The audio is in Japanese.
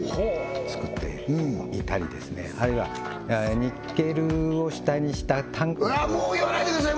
作っていたりですねあるいはニッケルを主体にしたもう言わないでください